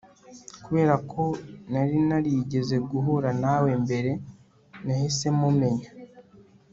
kubera ko nari narigeze guhura nawe mbere, nahise mumumenya